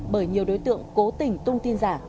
bởi nhiều đối tượng cố tình tung tin giả